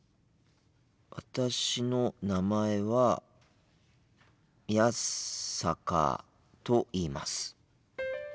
私の名前は宮坂と言います。